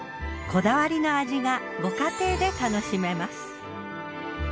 こだわりの味がご家庭で楽しめます。